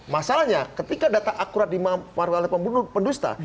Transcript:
masalahnya ketika data akurat dimanfaatkan oleh pendusta